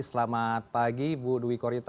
selamat pagi ibu dwi korita